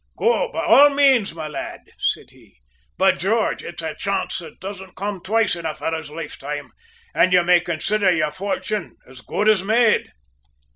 "Go by all means, my lad," said he. "By George! it's a chance that doesn't come twice in a fellow's lifetime, and you may consider your fortune as good as made!"